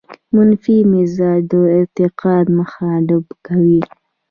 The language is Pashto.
منفي مزاج د ارتقاء مخه ډب کوي.